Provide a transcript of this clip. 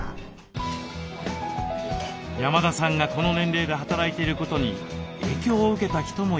山田さんがこの年齢で働いていることに影響を受けた人もいます。